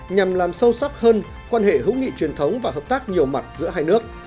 nhằm làm sâu sắc hơn quan hệ hữu nghị truyền thống và hợp tác nhiều mặt giữa hai nước